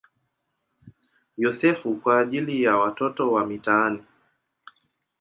Yosefu" kwa ajili ya watoto wa mitaani.